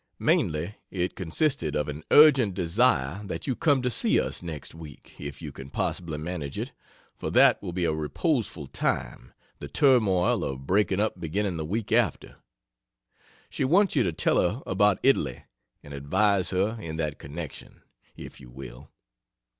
Mainly it consisted of an urgent desire that you come to see us next week, if you can possibly manage it, for that will be a reposeful time, the turmoil of breaking up beginning the week after. She wants you to tell her about Italy, and advise her in that connection, if you will.